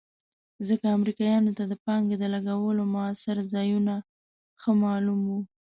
ځکه امریکایانو ته د پانګې د لګولو مؤثر ځایونه ښه معلوم وو.